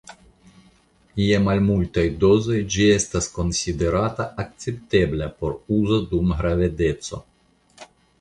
Je malaltaj dozoj ĝi estas konsiderata akceptebla por uzo dum gravedeco.